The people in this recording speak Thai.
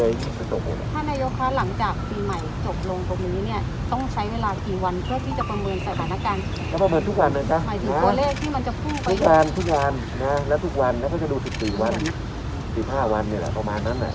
ถ้าเป็นใหม่ต่อถ้าต้องดูที่อะไรที่มันจะทำต่อ